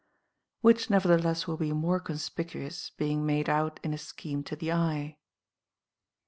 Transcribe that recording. Which nevertheless will be more conspicuous, being made out in a scheme to the eye.